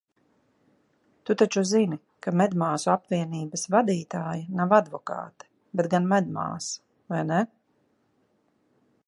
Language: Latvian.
Tu taču zini, ka medmāsu apvienības vadītāja nav advokāte, bet gan medmāsa, vai ne?